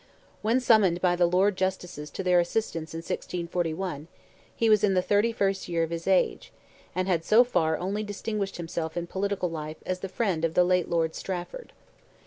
When summoned by the Lords Justices to their assistance in 1641, he was in the thirty first year of his age, and had so far only distinguished himself in political life as the friend of the late Lord Strafford.